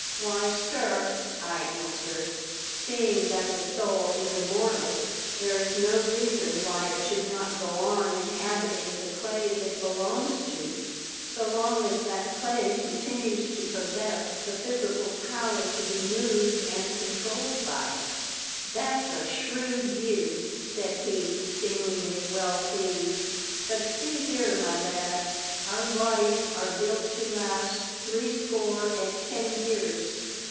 "Why, sir," I answered, "seeing that the soul is immortal, there is no reason why it should not go on inhabiting the clay it l^elongs to, so long as that clay continues to possess the physical power to be moved and controlled by it." " That's a shrewd view," said he, seemingly well pleased. " But see here, my lad ! our bodies are built to last three score and ten years.